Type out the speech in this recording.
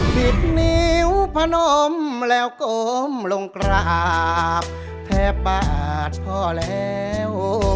ปิดนิ้วพนมแล้วก้มลงกราบแทบปากพ่อแล้ว